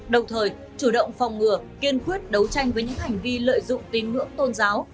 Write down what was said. đồng thời chủ động phòng ngừa kiên quyết đấu tranh với những hành vi lợi dụng tin ngưỡng tôn giáo